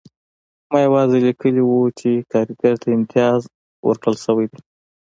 ما یوازې لیکلي وو چې کارګر ته امتیاز ورکړل شوی دی